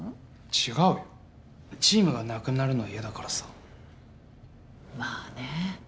違うよチームがなくなるのは嫌だからさまあね